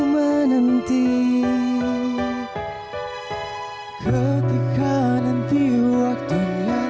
mau ada penari latar